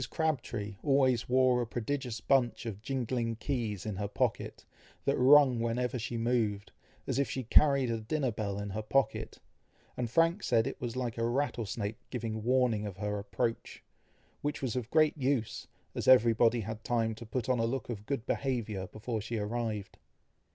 Crabtree always wore a prodigious bunch of jingling keys in her pocket, that rung whenever she moved, as if she carried a dinner bell in her pocket, and Frank said it was like a rattlesnake giving warning of her approach, which was of great use, as everybody had time to put on a look of good behaviour before she arrived.